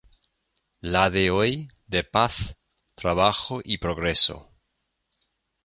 La de hoy, de paz, trabajo y progreso.